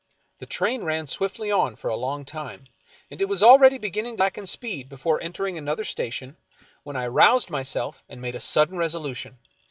The train ran swiftly on for a long time, and it was already beginning to slacken speed before entering another station, when I roused myself and made a sudden resolution.